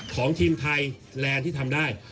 ของทีมไทยแลนด์ที่ทำได้